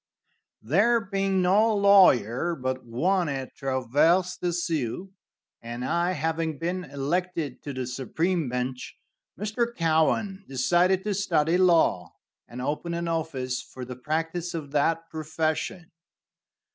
There being no lawyer but one at Traverse des Sioux, and I having been elected to the supreme bench, Mr. Cowan decided to study law, and open an office for the practice of that profession.